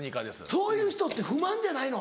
そういう人って不満じゃないの？